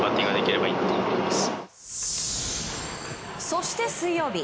そして水曜日。